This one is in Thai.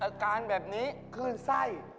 อาการแบบนี้